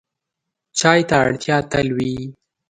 چای ته اړتیا تل وي.